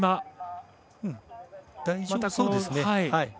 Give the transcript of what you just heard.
大丈夫そうですね。